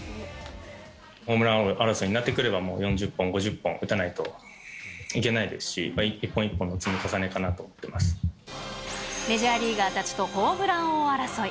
ホームラン王争いになってくれば、４０本、５０本打たないといけないですし、一本一本の積みメジャーリーガーたちとホームラン王争い。